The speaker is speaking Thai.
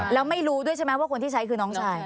แล้วไม่รู้ด้วยใช่ไหมว่าคนที่ใช้คือน้องชาย